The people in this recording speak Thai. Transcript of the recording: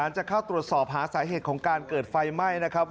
จะเข้าตรวจสอบหาสาเหตุของการเกิดไฟไหม้นะครับ